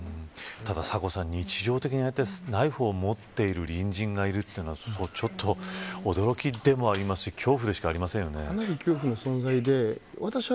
ただ、日常的にナイフを持っている隣人がいるというのはちょっと驚きでもありますし恐怖でしかありませんね。